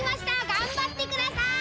頑張ってください！